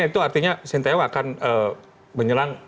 itu artinya sinteyong akan menyerang